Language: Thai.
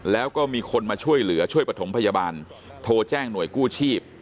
แล้วก็มีคนมาช่วยเหลือช่วยประถมพยาบาลโทรแจ้งหน่วยกู้ชีพ